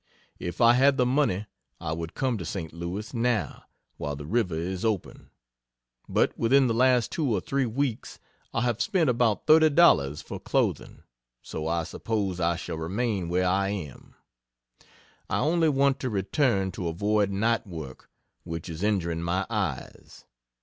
If I had the money, I would come to St. Louis now, while the river is open; but within the last two or three weeks I have spent about thirty dollars for clothing, so I suppose I shall remain where I am. I only want to return to avoid night work, which is injuring my eyes.